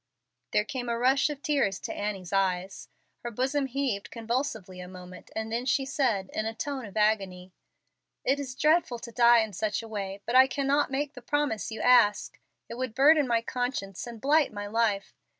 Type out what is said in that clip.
There came a rush of tears to Annie's eyes. Her bosom heaved convulsively a moment, and then she said, in a tone of agony, "It is dreadful to die in such a way, but I cannot make the promise you ask. It would burden my conscience and blight my life.